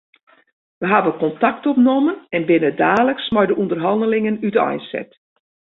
Wy hawwe kontakt opnommen en binne daliks mei de ûnderhannelingen úteinset.